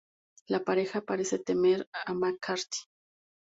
La pareja parecen temer a McCarthy.